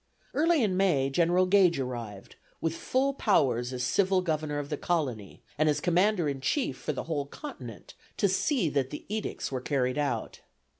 Early in May General Gage arrived, with full powers as Civil Governor of the Colony, and as Commander in Chief for the whole continent, to see that the edicts were carried out.